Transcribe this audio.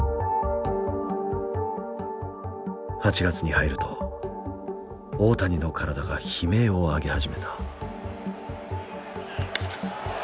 ８月に入ると大谷の体が悲鳴を上げ始めた。